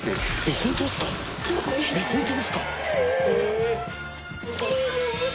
本当ですか？